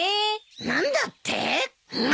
何だって！